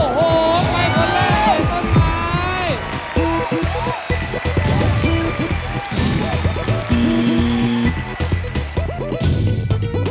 โอ้โหไปคนแรก